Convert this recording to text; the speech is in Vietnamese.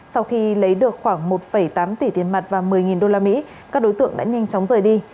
sau khi lấy được khoảng một tám tỷ tiền mặt và một mươi usd các đối tượng đã nhanh chóng rời đi